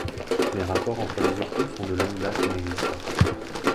Les rapports entre les époux sont de longue date inexistants.